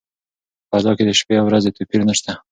په فضا کې د شپې او ورځې توپیر نشته.